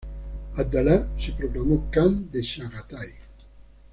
Abdalá se proclamó Kan de Chagatai.